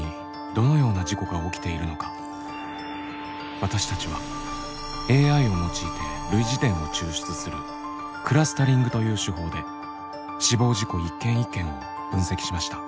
私たちはＡＩを用いて類似点を抽出するクラスタリングという手法で死亡事故一件一件を分析しました。